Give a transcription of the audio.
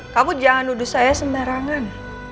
kamu jangan nuduh saya sembarangan